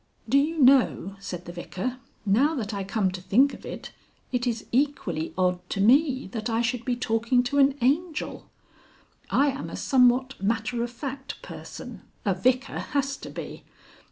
"Do you know," said the Vicar, "now that I come to think of it, it is equally odd to me that I should be talking to an Angel. I am a somewhat matter of fact person. A Vicar has to be.